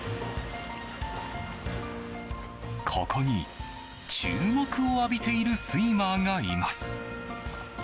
ここに、注目を浴びているスイマーがいます。